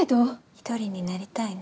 １人になりたいの。